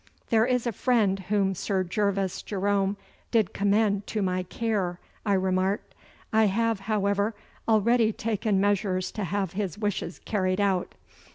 'There is a friend whom Sir Gervas Jerome did commend to my care,' I remarked; 'I have, however, already taken measures to have his wishes carried out.